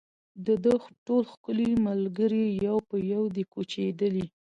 د ده ټول ښکلي ملګري یو په یو دي کوچېدلي